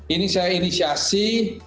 ini saya inisiasi